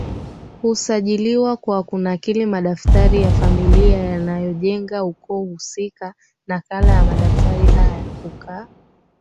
husajiliwa kwa kunakili madaftari ya familia yanayojenga ukoo husika Nakala ya madaftari haya hukaa